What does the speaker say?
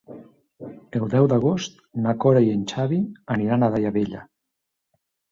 El deu d'agost na Cora i en Xavi aniran a Daia Vella.